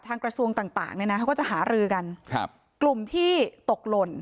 กระทรวงต่างต่างเนี่ยนะเขาก็จะหารือกันครับกลุ่มที่ตกหล่น